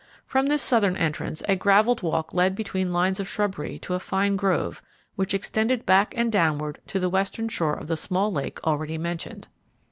From this southern entrance a gravelled walk led between lines of shrubbery to a fine grove, which extended back and downward to the western shore of the small lake already mentioned.